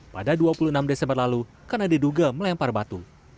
pada dua puluh enam desember lalu karena diduga melempar batu